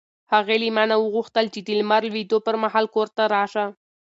هغې له ما نه وغوښتل چې د لمر لوېدو پر مهال کور ته راشه.